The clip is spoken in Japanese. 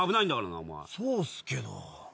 そうっすけど。